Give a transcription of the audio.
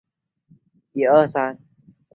假声是通过声带边缘的韧带振动产生。